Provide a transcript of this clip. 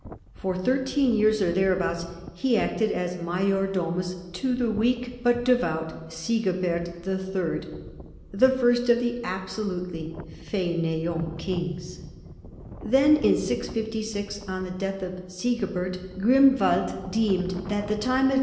For thirteen years, or thereabouts, he acted n^ 7najor domus to the weak but devout Sigibert III., the first of the absolutely faineant kings. Then, in 656, on the death of Sigi bert, Grimwald deemed that the time had.